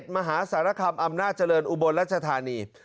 มหาสารคำอำนาจเจริญอุบลรัชธานี